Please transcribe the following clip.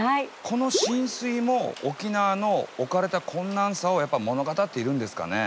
この浸水も沖縄の置かれた困難さをやっぱ物語っているんですかね。